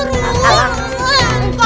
gimana sih nek